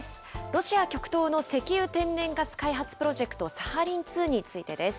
ロシア極東の石油天然ガス開発プロジェクト、サハリン２についてです。